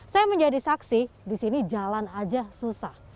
saya menjadi saksi di sini jalan aja susah